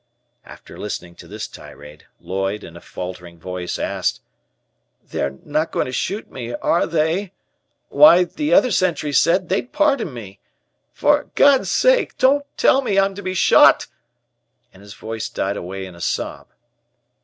After listening to this tirade, Lloyd, in a faltering voice, asked: "They are not going to shoot me, are they? Why, the other sentry said they'd pardon me. For God's sake don't tell me I'm to be shot!" and his voice died away in a sob.